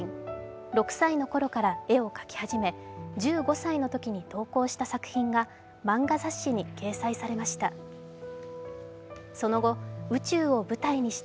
６歳のころから絵を描き始め１５歳のときに投稿した作品が漫画雑誌に掲載されました。